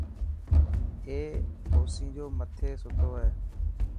اي او اوسينجي مٿي ستو هي.